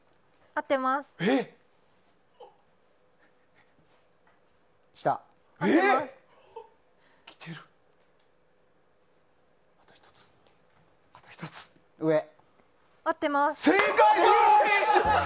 合ってます。